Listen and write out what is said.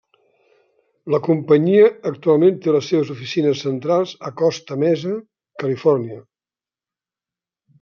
La companyia actualment té les seves oficines centrals a Costa Mesa, Califòrnia.